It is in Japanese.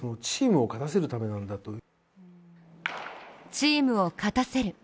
チームを勝たせる。